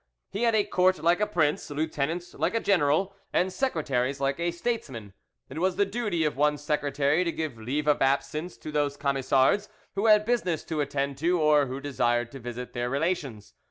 He had a court like a prince, lieutenants like a general, and secretaries like a statesman. It was the duty of one secretary to give leave of absence to those Camisards who had business to attend to or who desired to visit their relations.